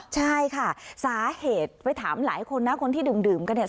ใช่ค่ะสาเหตุไปถามหลายคนนะคนที่ดื่มกันเนี่ย